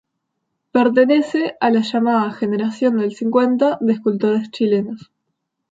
Pertenece a la llamada Generación del Cincuenta de escultores chilenos.